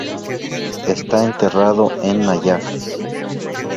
Está enterrado en Nayaf